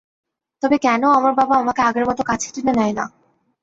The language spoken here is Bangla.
তবে কেন আমার বাবা আমাকে আগের মতো কাছে টেনে নেয় না।